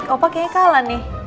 opa kayaknya kalah nih